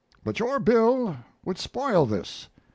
But your bill would spoil this.